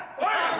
はい！